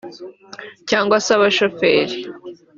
cyangwa se abashoferi